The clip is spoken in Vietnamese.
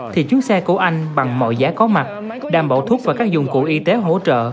thì chuyến xe của anh bằng mọi giá có mặt đảm bảo thuốc và các dụng cụ y tế hỗ trợ